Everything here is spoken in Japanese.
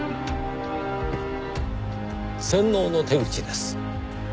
洗脳の手口です。